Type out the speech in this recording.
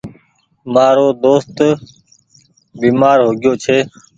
مآرو دوست بيمآر هوگيو ڇي۔